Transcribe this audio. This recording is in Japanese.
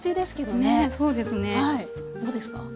どうですか？